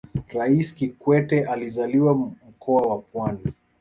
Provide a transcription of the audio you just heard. raisi kikwete alizaliwa mkoa wa pwani